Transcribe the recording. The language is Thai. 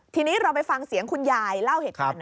ทีนี้เราไปฟังเสียงคุณยายเล่าเหตุการณ์หน่อย